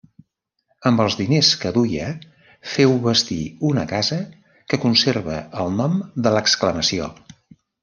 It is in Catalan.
Amb els diners que duia féu bastir una casa que conserva el nom de l'exclamació.